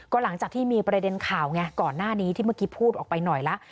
หลังจากที่มีประเด็นข่าวไงก่อนหน้านี้ที่เมื่อกี้พูดออกไปหน่อยละ